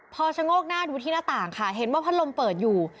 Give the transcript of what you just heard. พอชะโงกหน้าดูที่หน้าต่างค่ะเห็นว่าพัดลมเปิดอยู่